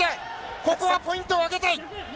ここはポイントを挙げたい。